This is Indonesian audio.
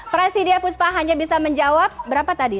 prasidya puspa hanya bisa menjawab berapa tadi